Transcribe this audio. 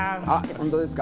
本当ですか？